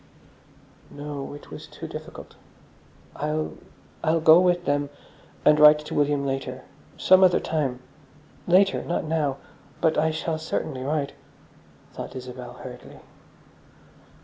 No, it was too difficult. "I'll—I'll go with them, and write to William later. Some other time. Later. Not now. But I shall certainly write," thought Isabel hurriedly.